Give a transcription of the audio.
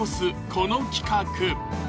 この企画